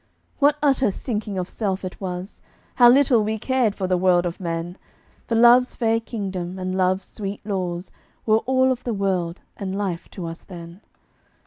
What utter sinking of self it was! How little we cared for the world of men! For love's fair kingdom and love's sweet laws Were all of the world and life to us then.